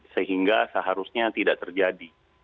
sehingga seharusnya tidak terjadi